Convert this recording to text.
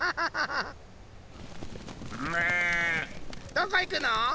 どこいくの？